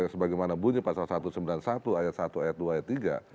sebagaimana bunyi pasal satu ratus sembilan puluh satu ayat satu ayat dua ayat tiga